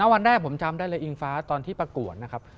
วันแรกผมจำได้เลยอิงฟ้าตอนที่ประกวดนะครับ